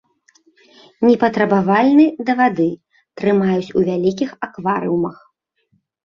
Непатрабавальны да вады, трымаюць у вялікіх акварыумах.